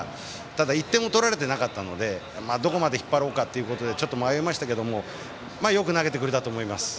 ただ、１点も取られていなかったのでどこまで引っ張ろうかということで迷いましたがよく投げてくれたと思います。